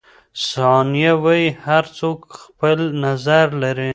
ثانیه وايي، هر څوک خپل نظر لري.